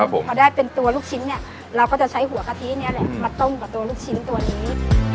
พอได้เป็นตัวลูกชิ้นเนี่ยเราก็จะใช้หัวกะทินี้แหละมาต้มกับตัวลูกชิ้นตัวนี้